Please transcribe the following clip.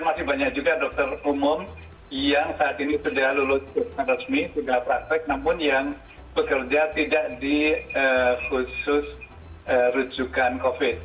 masih banyak juga dokter umum yang saat ini sudah lulusan resmi sudah praktek namun yang bekerja tidak di khusus rujukan covid